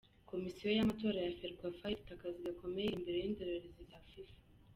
Komisiyo y’amatora ya Ferwafa ifite akazi gakomeye, imbere y’indorerezi za Fifa